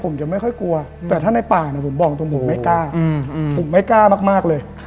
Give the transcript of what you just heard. ผมจะไม่ค่อยกลัวแต่ถ้าในป่าผมบอกตรงผมไม่กล้าผมไม่กล้ามากเลย